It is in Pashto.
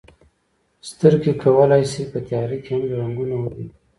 سترګې کولی شي په تیاره کې هم رنګونه وویني.